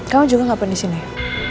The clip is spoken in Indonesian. kamu juga gak pernah disini